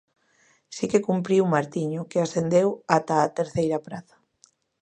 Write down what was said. Si que cumpriu Martiño, que ascendeu ata a terceira praza.